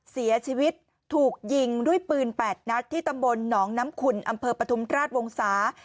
เสียชีวิตถูกยิงด้วยปืน๘นัดที่ตำบลหนองน้ำขุนอำเภอปฐุมราชวงศา